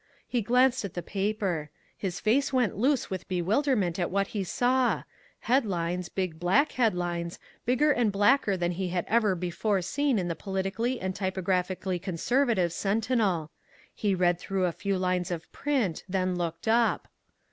He glanced at the paper. His face went loose with bewilderment at what he saw headlines, big black headlines, bigger and blacker than he had ever before seen in the politically and typographically conservative Sentinel. He read through a few lines of print, then looked up.